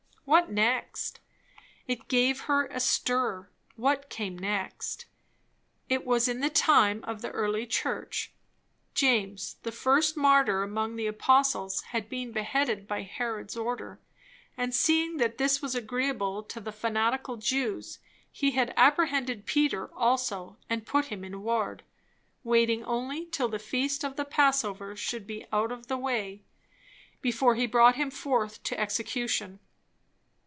What next? It gave her a stir, what came next: It was in the time of the early church; James, the first martyr among the apostles, had been beheaded by Herod's order; and seeing that this was agreeable to the fanatical Jews, he had apprehended Peter also and put him in ward; waiting only till the feast of the Passover should be out of the way, before he brought him forth to execution.